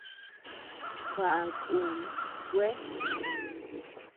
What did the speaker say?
Baʼa kun kuea.